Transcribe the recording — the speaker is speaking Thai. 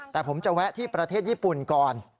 แต่ผมจะแวะที่ประเทศญี่ปุ่นก่อน